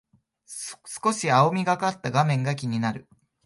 少し青みがかった画面が気になる